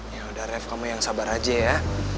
yaudah ref kamu yang sabar aja ya